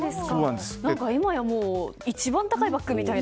今や一番高いバッグみたいな。